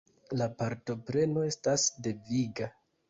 La partopreno estas deviga.